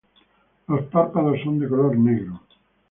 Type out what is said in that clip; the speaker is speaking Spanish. Los párpados son de color negro.